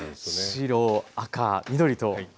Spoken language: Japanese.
白赤緑と。